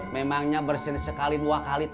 memangnya bersih sekali dua kali